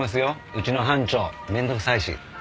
うちの班長面倒くさいし。